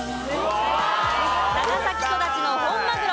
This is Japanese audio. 長崎育ちの本マグロ。